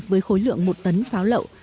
với khối lượng một tấn pháo lậu